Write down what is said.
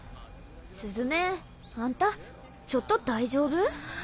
鈴芽あんたちょっと大丈夫？